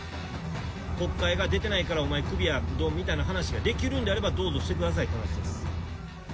国会が出てないから、お前くびやみたいな話ができるんであれば、どうぞしてくださいって話です。